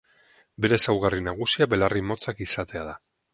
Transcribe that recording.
Bere ezaugarri nagusia belarri motzak izatea da.